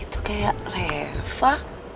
itu kayak reva